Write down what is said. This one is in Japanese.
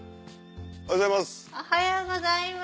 おはようございます。